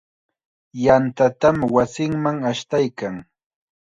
Yantatam wasinman ashtaykan.